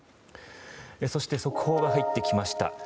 そして、速報が入ってきました。